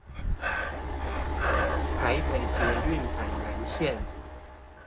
臺北捷運板南線